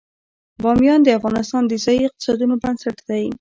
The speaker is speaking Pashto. بامیان د افغانستان د ځایي اقتصادونو بنسټ دی.